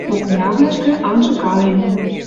Окнявлӓшкӹ анжыкалем...